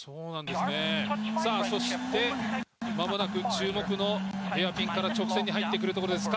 そして、まもなく注目のヘアピンから直線に入ってくるところです